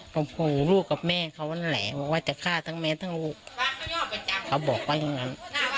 ผมขู่ลูกกับแม่เขานั่นแหละบอกว่าจะฆ่าทั้งแม่ทั้งลูกเขาบอกว่าอย่างนั้น